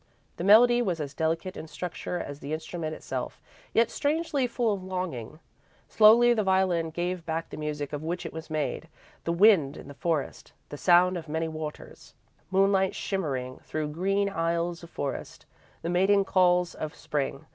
The melody was as delicate in structure as the instrument itself, yet strangely full of longing. Slowly the violin gave back the music of which it was made; the wind in the forest, the sound of many waters, moonlight shimmering through green aisles of forest, the mating calls of Spring.